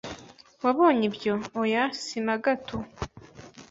"Wabonye ibyo?" "Oya, si na gato."